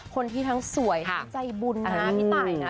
ทั้งสวยทั้งใจบุญนะพี่ตายนะ